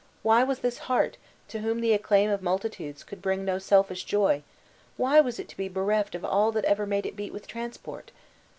Why was this heart, to whom the acclaim of multitudes could bring no selfish joy why was it to be bereft of all that ever made it beat with transport?